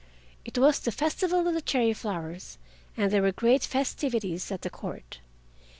It was the Festival of the Cherry Flowers, and there were great festivities at the Court.